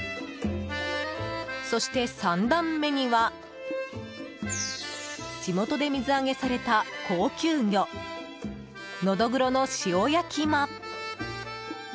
そして三段目には地元で水揚げされた高級魚ノドグロの塩焼きも！